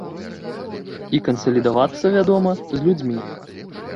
І кансалідавацца, вядома, з людзьмі.